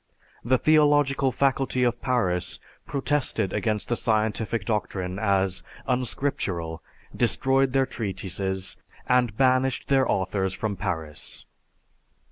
The theological faculty of Paris protested against the scientific doctrine as unscriptural, destroyed their treatises, and banished their authors from Paris.